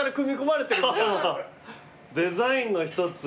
デザインの一つ。